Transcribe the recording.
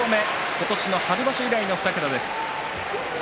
今年の春場所以来の２桁です。